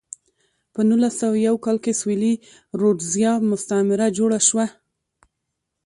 په نولس سوه یو کال کې سویلي رودزیا مستعمره جوړه شوه.